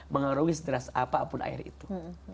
mengarungi sederas apapun air itu